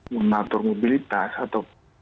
menatur mobilitas atau